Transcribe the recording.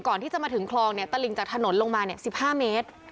ก่อนที่จะมาถึงคลองเนี้ยตะหลิงจากถนนลงมาเนี้ยสิบห้าเมตร